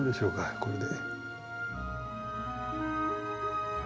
これで。